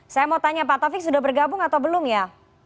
saya mau tanya pak taufik sudah bergabung atau belum ya